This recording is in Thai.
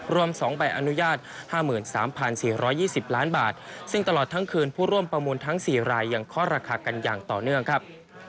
รวม๒ใบอนุญาต๕๓๔๒๐ล้านบาทซึ่งตลอดทั้งคืนผู้ร่วมประมูลทั้ง๔รายยังเคาะราคากันอย่างต่อเนื่องครับ